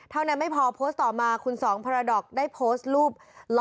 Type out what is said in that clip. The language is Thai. เท่านั้นไม่พอโพสต์ต่อมาคุณสองพาราดอกซ์ได้โพสต์รูป